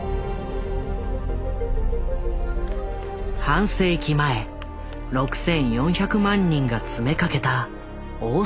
半世紀前６，４００万人が詰めかけた大阪万博。